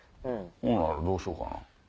どうしようかな。